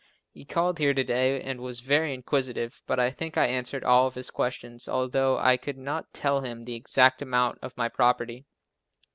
He called here to day and was very inquisitive, but I think I answered all of his questions although I could not tell him the exact amount of my property.